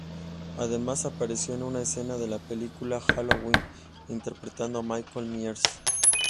Además apareció en una escena de la película "Halloween", interpretando a Michael Myers.